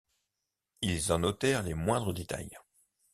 Ils en notèrent les moindres détails.